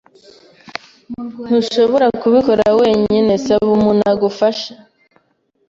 Ntushobora kubikora wenyine. Saba umuntu agufasha.